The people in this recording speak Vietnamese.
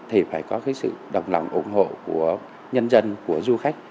thì phải có cái sự đồng lòng ủng hộ của nhân dân của du khách